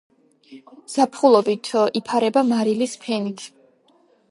ზაფხულობით იფარება მარილის ფენით.